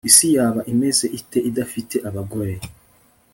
Isi yaba imeze ite idafite abagore